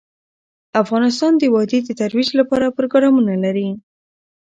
افغانستان د وادي د ترویج لپاره پروګرامونه لري.